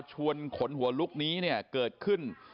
ชวนขนหัวลุกนี้เนี่ยเกิดขึ้น